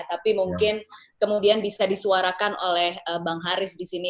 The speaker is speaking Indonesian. tapi mungkin kemudian bisa disuarakan oleh bang haris disini